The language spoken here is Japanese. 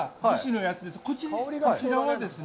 こちらはですね。